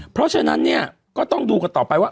เพราะฉะนั้นเนี่ยก็ต้องดูกันต่อไปว่า